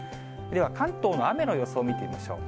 では、関東の雨の予想を見てみましょう。